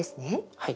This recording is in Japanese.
はい。